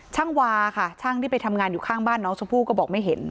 วาค่ะช่างที่ไปทำงานอยู่ข้างบ้านน้องชมพู่ก็บอกไม่เห็น